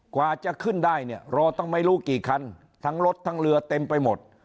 กว่าจะขึ้นได้เนี่ยรอตั้งไม่รู้กี่คันทั้งรถทั้งเรือเต็มไปหมด